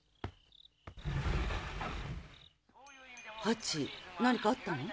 ハチ何かあったの？